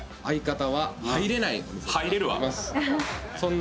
相方は入れないお店と。